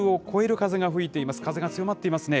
風が強まっていますね。